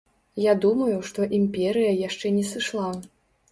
Я думаю, што імперыя яшчэ не сышла.